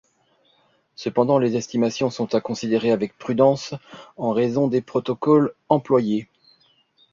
Cependant, les estimations sont à considérer avec prudence en raison des protocoles employés.